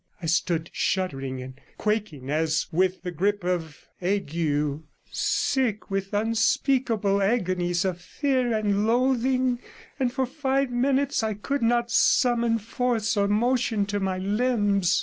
I stood shuddering and quaking as with the grip of ague, sick with unspeakable agonies of fear and loathing, and for five minutes I could not summon force 115 or motion to my limbs.